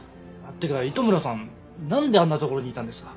っていうか糸村さんなんであんな所にいたんですか？